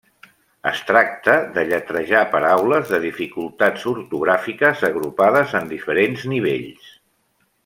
Es tracta de lletrejar paraules de dificultats ortogràfiques agrupades en diferents nivells.